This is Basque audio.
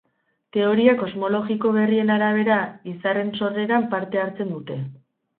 Teoria kosmologiko berrien arabera, izarren sorreran parte hartzen dute.